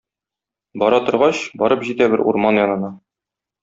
Бара торгач, барып җитә бер урман янына.